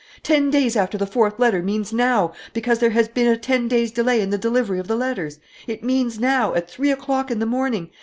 Ten days after the fourth letter means now, because there has been a ten days' delay in the delivery of the letters. It means now, at three o'clock in the morning.